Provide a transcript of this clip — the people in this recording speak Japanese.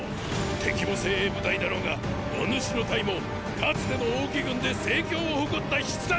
敵も精鋭部隊だろうがお主の隊もかつての王騎軍で精強を誇った必殺の部隊！